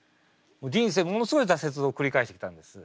人生ものすごい挫折を繰り返してきたんです。